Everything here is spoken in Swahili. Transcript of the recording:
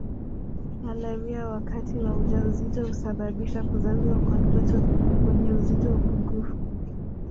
Malaria wakati wa ujauzito husababisha kuzaliwa kwa watoto wenye uzito pungufu